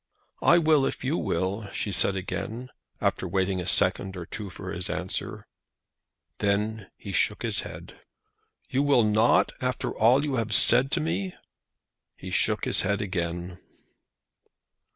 "I will, if you will," she said again, after waiting a second or two for his answer. Then he shook his head. "You will not, after all that you have said to me?" He shook his head again.